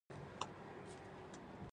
غرور صفته ومه سوال مې په بار، بار ونه کړ